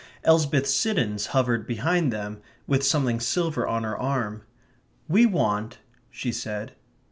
Elsbeth Siddons hovered behind them with something silver on her arm. "We want," she said....